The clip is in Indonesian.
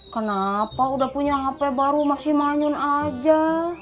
kenapa udah punya hp baru masih manyun aja